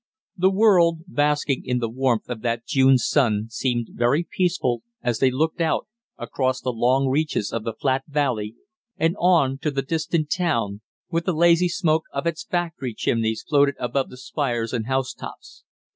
The world, basking in the warmth of that June sun, seemed very peaceful as they looked out across the long reaches of the flat valley, and on to the distant town, with the lazy smoke of its factory chimneys floated above the spires and housetops.